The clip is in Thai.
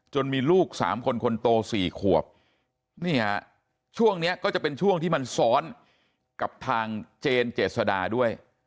มีลูก๓คนคนโต๔ขวบนี่ฮะช่วงนี้ก็จะเป็นช่วงที่มันซ้อนกับทางเจนเจษดาด้วย